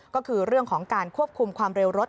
ก็คือเรื่องของการควบคุมความเร็วรถ